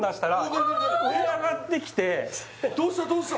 どうしたどうした！？